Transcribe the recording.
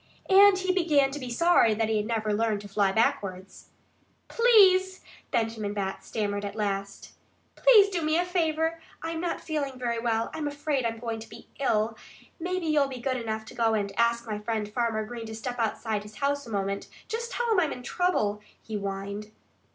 And he began to be sorry that he had never learned to fly backwards. "Please " Benjamin Bat stammered at last "please do me a favor. I'm not feeling very well. I'm afraid I'm going to be ill. Maybe you'll be good enough to go and ask my friend Farmer Green to step outside his house a moment. Just tell him I'm in trouble," he whined.